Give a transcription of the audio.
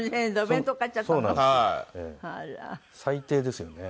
最低ですよね。